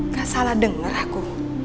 gak salah denger aku